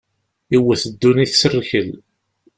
Iwwet ddunit s rrkel.